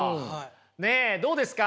ねっどうですか？